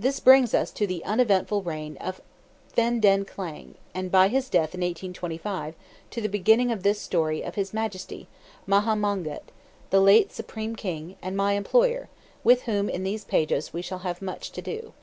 This brings us to the uneventful reign of Phen den Klang; and by his death, in 1825, to the beginning of the story of his Majesty, Maha Mongkut, the late supreme king, and my employer, with whom, in these pages, we shall have much to do.